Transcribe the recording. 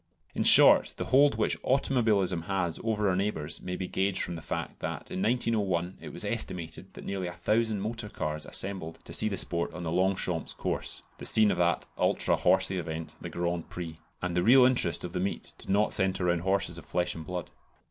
In short, the hold which automobilism has over our neighbours may be gauged from the fact that in 1901 it was estimated that nearly a thousand motor cars assembled to see the sport on the Longchamps Course (the scene of that ultra "horsey" event, the Grand Prix), and the real interest of the meet did not centre round horses of flesh and blood.